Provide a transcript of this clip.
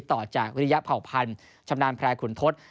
ต่อจากวิริยเผ่าพันธ์ชำนาญแพร่ขุนทศ